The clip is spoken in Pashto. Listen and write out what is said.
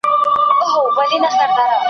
تعاون د یووالي او قوت نښه ده.